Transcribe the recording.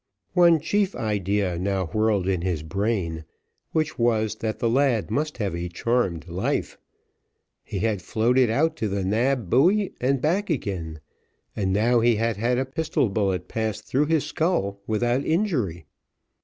One chief idea now whirled in his brain, which was, that the lad must have a charmed life; he had floated out to the Nab buoy and back again, and now he had had a pistol bullet passed through his skull without injury.